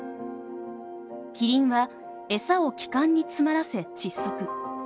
キリンはエサを気管に詰まらせ窒息。